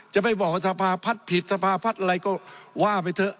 จะไม่บอกว่าสภาพัฒน์ผิดสภาพัฒน์อะไรก็ว่าไปเถอะ